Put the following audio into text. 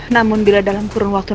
namun bila dalam kurungan saya